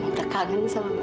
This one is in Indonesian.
mama berkagum sama mereka